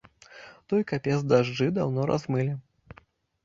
Той капец дажджы даўно размылі.